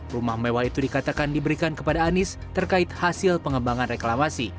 rumah mewah itu dikatakan diberikan kepada anies terkait hasil pengembangan reklamasi